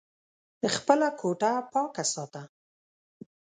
خپله کوټه پاکه ساته !